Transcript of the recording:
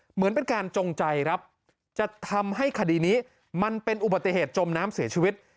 เหมือนเป็นการจงใจครับจะทำให้คดีนี้มันเป็นอุบัติเหตุจมน้ำเสียชีวิต